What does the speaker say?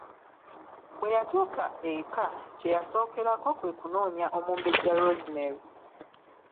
Bwe yatuuka eka kye yasookerako kwe kunoonya omumbejja Rosemary.